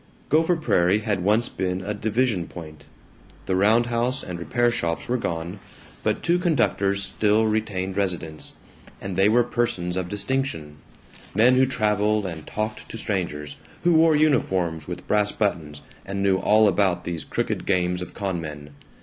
Gopher Prairie had once been a "division point." The roundhouse and repair shops were gone, but two conductors still retained residence, and they were persons of distinction, men who traveled and talked to strangers, who wore uniforms with brass buttons, and knew all about these crooked games of con men.